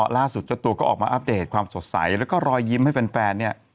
เจ้าตัวก็ออกมาอัปเดตความสดใสแล้วก็รอยยิ้มให้แฟนเนี่ย